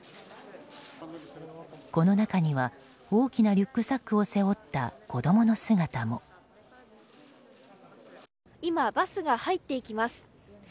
この中には大きなリュックサックを背負った今、バスが入っていきます。